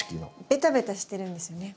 ベタベタしてるんですよね？